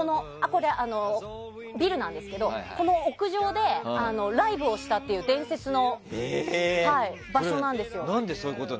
これはビルなんですけどこの屋上でライブをしたっていう伝説の場所なんですよ。